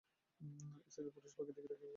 স্ত্রী ও পুরুষ পাখি দেখতে একই রকম।